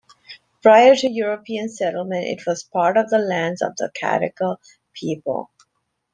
Prior to European settlement it was part of the lands of the Cadigal people.